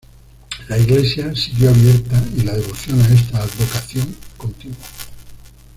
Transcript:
La iglesia siguió abierta y la devoción a esta advocación continuó.